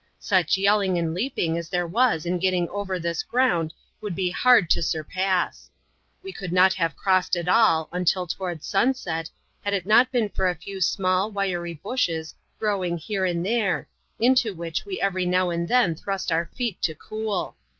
Such yelling and leaping as there was in getting over this ground would be hard to surpass. We could not have crossed at all — until towards sunset — had it not been for a few small, wiry bushes, growing here and there ; into which we every now and then thrust our feet to cool.